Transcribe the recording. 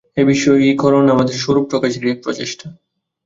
এই বিষয়ীকরণ আমাদের স্বরূপ-প্রকাশেরই এক প্রচেষ্টা।